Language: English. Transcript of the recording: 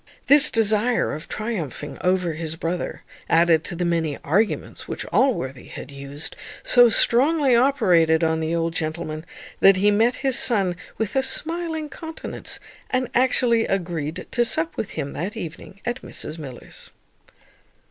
This desire of triumphing over his brother, added to the many arguments which Allworthy had used, so strongly operated on the old gentleman that he met his son with a smiling countenance, and actually agreed to sup with him that evening at Mrs Miller's.